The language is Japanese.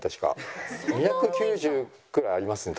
２９０くらいありますね